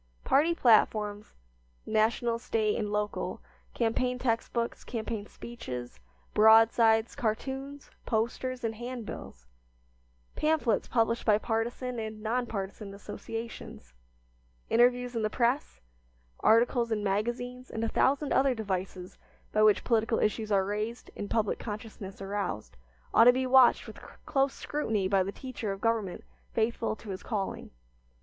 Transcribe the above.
Party platforms, national, State, and local, campaign text books, campaign speeches; broadsides, cartoons, posters, and handbills; pamphlets published by partisan and non partisan associations; interviews in the press; articles in magazines, and a thousand other devices by which political issues are raised and public consciousness aroused, ought to be watched with close scrutiny by the teacher of government faithful to his calling.